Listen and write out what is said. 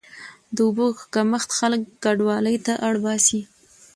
د اوبو کمښت خلک کډوالۍ ته اړ باسي.